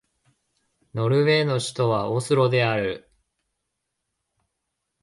ノルウェーの首都はオスロである